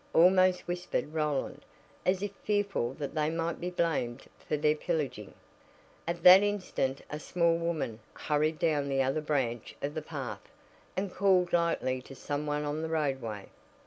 almost whispered Roland, as if fearful that they might be blamed for their pillaging. At that instant a small woman hurried down the other branch of the path, and called lightly to some one on the roadway.